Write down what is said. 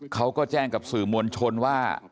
เขาก็แจ้งกับสื่อมวลชนว่า